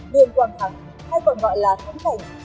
điền quảng hằng hay còn gọi là thánh cảnh